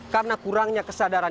karena kurangnya kesadaran